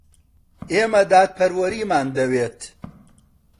ئێمە دادپەروەریمان دەوێت.